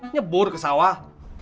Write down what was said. nyebur ke sawah